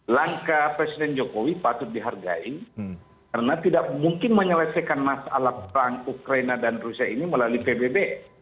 langkah presiden jokowi patut dihargai karena tidak mungkin menyelesaikan masalah perang ukraina dan rusia ini melalui pbb